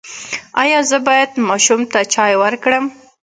ایا زه باید ماشوم ته چای ورکړم؟